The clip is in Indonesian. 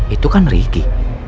itu kan riki